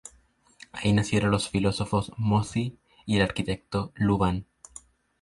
Ahí nacieron el filósofo Mozi y el arquitecto Lu Ban.